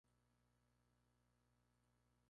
Es nativo de Brasil, Cuba y Guatemala.